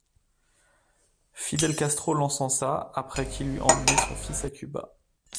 Fidel Castro l'encensa après qu'il eut emmené son fils à Cuba.